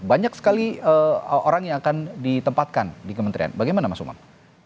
banyak sekali orang yang akan ditempatkan di kementerian bagaimana mas umam